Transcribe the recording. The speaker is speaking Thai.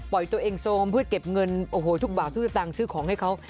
ตัวเองโซมเพื่อเก็บเงินโอ้โหทุกบาททุกสตางค์ซื้อของให้เขา